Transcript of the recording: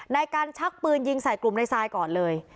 นายกันชักปืนยิงใส่กลุ่มในทรายก่อนเลย